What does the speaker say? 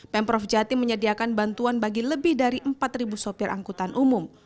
pemprov jatim menyediakan bantuan bagi lebih dari empat sopir angkutan umum